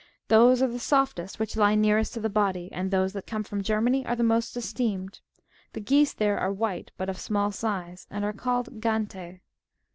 Those are the softest which lie nearest to the body, and those that come from Germany are the most esteemed : the geese there are white, but of small size, and are called ganta.